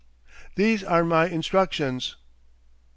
These are my instructions."